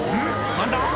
何だ